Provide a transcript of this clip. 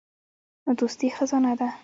دوستي خزانه ده.